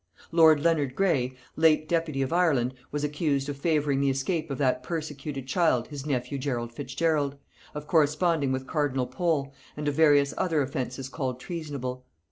Lord Leonard Grey, late deputy of Ireland, was accused of favouring the escape of that persecuted child his nephew Gerald Fitzgerald, of corresponding with cardinal Pole, and of various other offences called treasonable.